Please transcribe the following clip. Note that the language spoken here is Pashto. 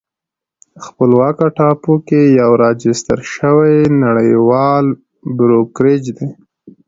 خپلواکه ټاپو کې یو راجستر شوی نړیوال بروکریج دی